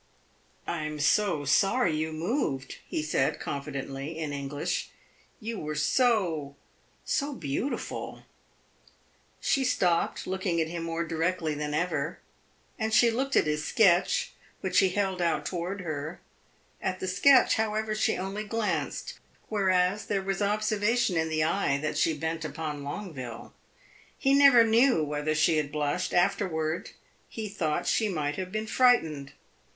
"I am so sorry you moved," he said, confidently, in English. "You were so so beautiful." She stopped, looking at him more directly than ever; and she looked at his sketch, which he held out toward her. At the sketch, however, she only glanced, whereas there was observation in the eye that she bent upon Longueville. He never knew whether she had blushed; he afterward thought she might have been frightened.